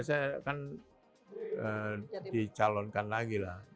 saya kan dicalonkan lagi lah